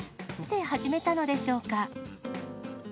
なぜ始めたのでしょうか。